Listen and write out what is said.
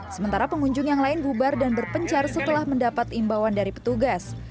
sementara pengunjung yang lain bubar dan berpencar setelah mendapat imbauan dari petugas